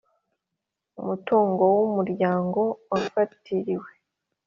Umutungo w umuryango wafatiriwe